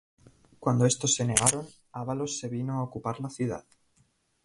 Cuando estos se negaron, Ávalos se avino a ocupar la ciudad.